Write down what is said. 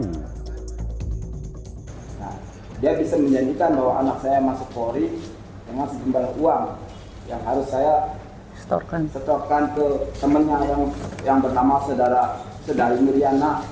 nah dia bisa menjanjikan bahwa anak saya masuk polri dengan sejumlah uang yang harus saya setorkan ke temennya yang bernama saudari miriana